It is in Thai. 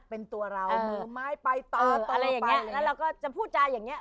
เป็นตัวเรามือไม้ไปตัวตัวไป